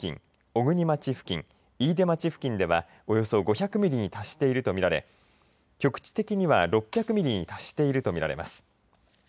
小国町付近飯豊町付近ではおよそ５００ミリに達していると見られ局地的には６００ミリに達していると見られます。